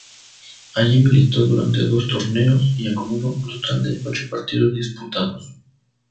Allí militó durante dos torneos y acumuló un total de ocho partidos disputados.